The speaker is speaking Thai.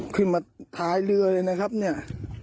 ขึ้นมาท้ายเรือเลยนะครับเนี่ย